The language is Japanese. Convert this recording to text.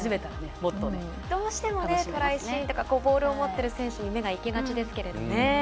どうしてもトライシーンとかボールを持ってる選手に目がいきがちですけどね。